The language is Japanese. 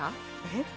えっ？